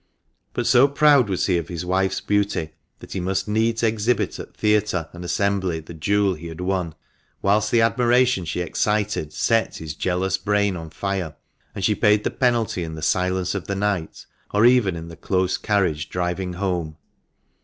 But so proud was he of his wife's beauty, that he must needs exhibit at theatre and assembly the jewel he had won; whilst the admiration she excited set his jealous brain on fire, and she paid the penalty in the silence of night, or even in the close carriage driving home.